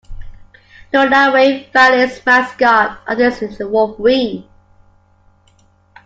Nodaway Valley's mascot of is the wolverine.